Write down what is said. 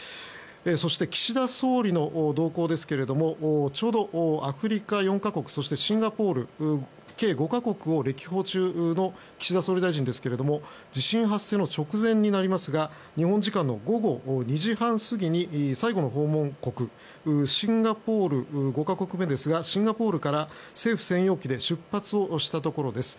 そして、岸田総理の動向ですがちょうどアフリカ４か国そしてシンガポールの計５か国を歴訪中の岸田総理大臣ですけれども地震発生の直前になりますが日本時間の午後２時半過ぎに最後の訪問国５か国目ですがシンガポールから政府専用機で出発したところです。